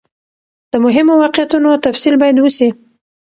د مهمو واقعیتونو تفصیل باید وسي.